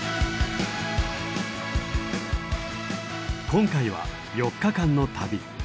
今回は４日間の旅。